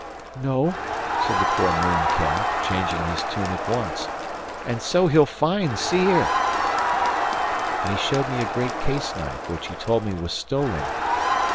"No," said the poor moon calf, changing his tune at once, "and so he'll find. See'ere;" and he showed me a great case knife, which he told me was stolen.